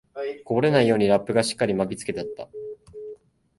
こぼれないようにラップがしっかり巻きつけてあった